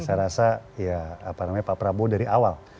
saya rasa ya pak prabowo dari awal